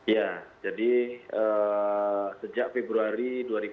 ya jadi sejak februari dua ribu delapan belas